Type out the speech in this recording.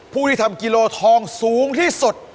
ผู้ที่ทำกิโลทองสูงที่สุด